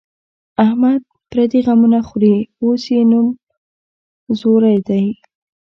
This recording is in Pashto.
احمد پردي غمونه خوري، اوس یې نوم ځوری دی.